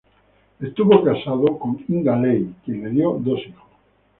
Estuvo casado con Inga Ley quien le dio dos hijos.